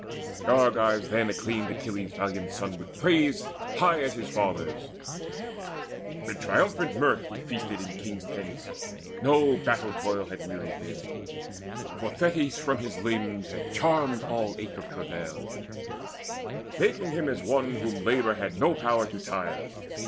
The Argives then Acclaimed Achilles' valiant son with praise High as his father's. Mid triumphant mirth He feasted in kings' tents: no battle toil Had wearied him; for Thetis from his limbs Had charmed all ache of travail, making him As one whom labour had no power to tire.